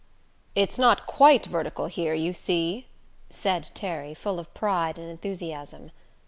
"It's not quite vertical here, you see," said Terry, full of pride and enthusiasm.